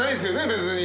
別に。